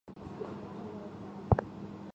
掌叶花烛为天南星科花烛属下的一个种。